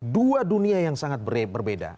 dua dunia yang sangat berbeda